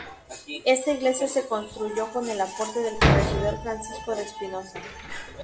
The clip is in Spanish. Está iglesia se construyó con el aporte del corregidor Francisco de Espinoza.